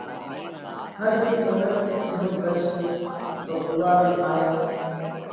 هر هيڪ منک جي هم ڪرشي تو اُوئا رئِي آيا